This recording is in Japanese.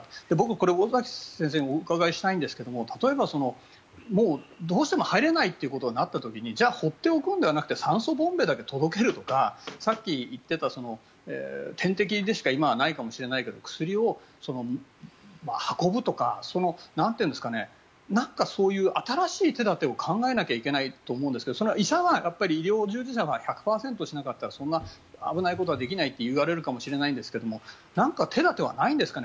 これ、尾崎先生にお伺いしたいんですけれども例えば、もうどうしても入れないということになった時にじゃあ、放っておくのではなくて酸素ボンベだけ届けるとかさっき言ってた点滴でしか今はないかもしれないけど薬を運ぶとかなんか新しい手立てを考えないといけないと思うんですけどそれは医者はやっぱり医療従事者は１００％じゃなかったらそんな危ないことはできないって言われるかもしれないけど何か手立てはないんですかね。